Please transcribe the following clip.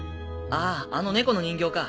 あぁあのネコの人形か。